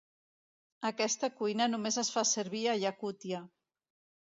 Aquesta cuina només es fa servir a Yakutia.